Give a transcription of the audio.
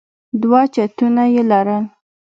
دوه چتونه يې لرل.